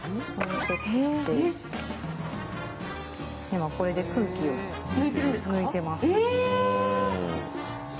今、これで空気を抜いてます。